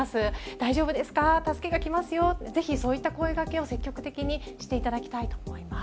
大丈夫ですか、助けが来ますよ、ぜひそういった声がけを積極的にしていただきたいと思います。